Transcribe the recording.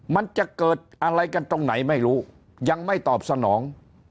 มันจะเกิดอะไรกันตรงไหนไม่รู้ยังไม่ตอบสนอง